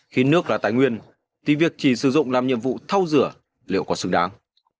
khi nước là tài nguyên thì việc chỉ sử dụng làm nhiệm vụ thâu rửa liệu có xứng đáng